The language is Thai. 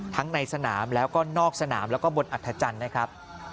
ในสนามแล้วก็นอกสนามแล้วก็บนอัธจันทร์นะครับ